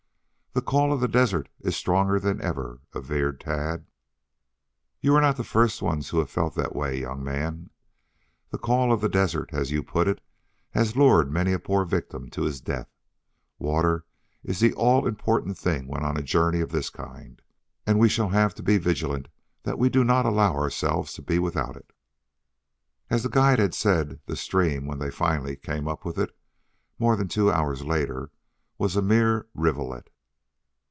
"The call of the desert is stronger than ever," averred Tad. "You are not the first ones who have felt that way, young man. 'The call of the desert,' as you put it, has lured many a poor victim to his death. Water is the all important thing when on a journey of this kind, and we shall have to be vigilant that we do not allow ourselves to be without it." As the guide had said, the stream, when they finally came up with it more than two hours later, was a mere rivulet.